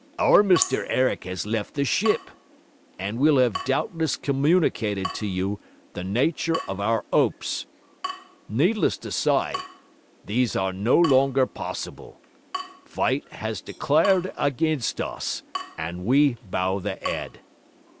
Our Mr 'Errick has left the ship, and will have doubtless communicated to you the nature of our 'opes. Needless to s'y, these are no longer possible: Fate 'as declyred against us, and we bow the 'ead.